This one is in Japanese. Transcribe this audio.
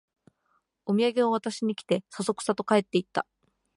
おみやげを渡しに来て、そそくさと帰っていった